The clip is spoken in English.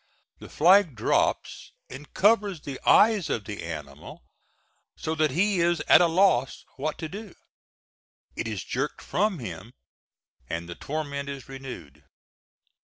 The flag drops and covers the eyes of the animal so that he is at a loss what to do; it is jerked from him and the torment is renewed.